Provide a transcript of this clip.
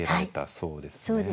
そうですね。